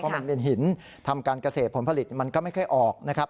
มันเป็นหินทำการเกษตรผลผลิตมันก็ไม่ค่อยออกนะครับ